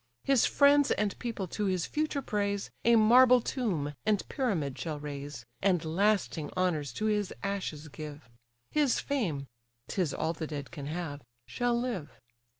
His friends and people, to his future praise, A marble tomb and pyramid shall raise, And lasting honours to his ashes give; His fame ('tis all the dead can have) shall live."